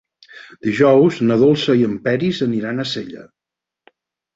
Dijous na Dolça i en Peris aniran a Sella.